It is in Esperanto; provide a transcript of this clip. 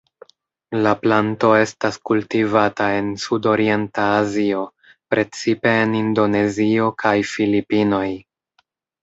La planto estas kultivata en sudorienta Azio, precipe en Indonezio kaj Filipinoj.